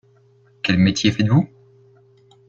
Quel métier faites-vous ?